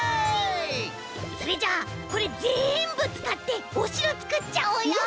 それじゃあこれぜんぶつかっておしろつくっちゃおうよ！